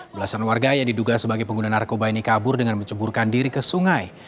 belasan warga yang diduga sebagai pengguna narkoba ini kabur dengan menceburkan diri ke sungai